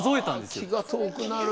気が遠くなる。